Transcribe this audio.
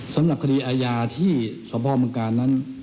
สำหรับคดีอาญาที่สพเมืองกาลนั้น